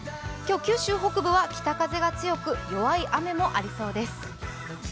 今日九州北部は北風が強く弱い雨もありそうです。